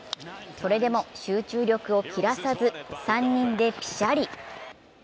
それでも集中力を切らさず３人でピシャリ。